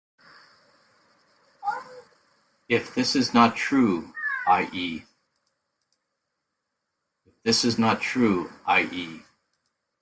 If this is not true, i.e.